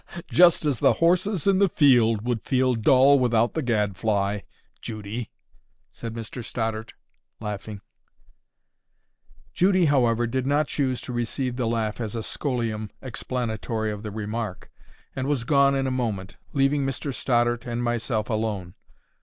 "Just as the horses in the field would feel dull without the gad fly, Judy," said Mr Stoddart, laughing. Judy, however, did not choose to receive the laugh as a scholium explanatory of the remark, and was gone in a moment, leaving Mr Stoddart and myself alone.